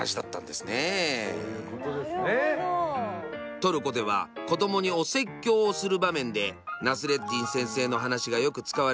トルコでは子どもにお説教をする場面でナスレッディン先生の話がよく使われます。